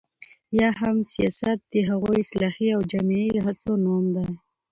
یا هم سياست د هغو اصلاحي او جمعي هڅو نوم دی،